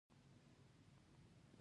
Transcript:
د پل علم ښار د لوګر مرکز دی